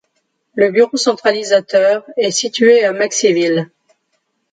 Le bureau centralisateur est situé à Maxéville.